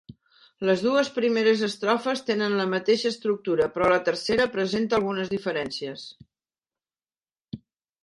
Les dues primeres estrofes tenen la mateixa estructura, però la tercera presenta algunes diferències.